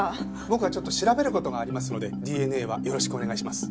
僕はちょっと調べる事がありますのでＤＮＡはよろしくお願いします。